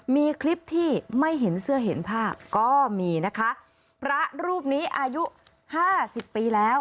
มีคลิปที่ไม่เห็นเสื้อเห็นภาพก็มีนะคะพระรูปนี้อายุห้าสิบปีแล้ว